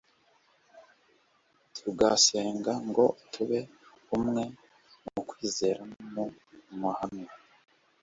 tugasenga ngo tube umwe mu kwizera no mu mahame